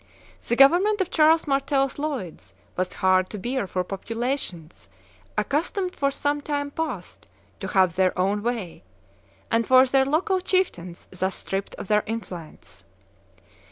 The government of Charles Martel's "leudes" was hard to bear for populations accustomed for some time past to have their own way, and for their local chieftains thus stripped of their influence.